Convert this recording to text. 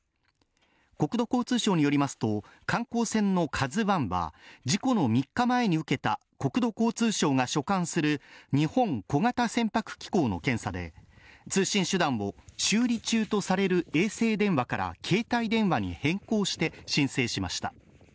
国土交通省によりますと観光船の「ＫＡＺＵⅠ」は、事故の３日前に受けた国土交通省が所管する日本小型船舶機構の検査で通信手段を修理中とされる衛星電話から携帯電話に変更して申請しました。